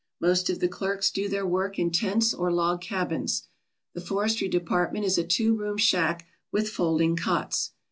Most of the clerks do their work in tents or log cabins. The forestry department is a two room shack with folding cots.